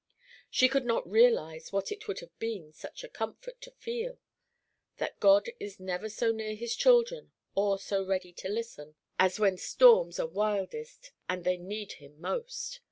She could not realize what it would have been such a comfort to feel, that God is never so near his children or so ready to listen, as when storms are wildest and they need him most.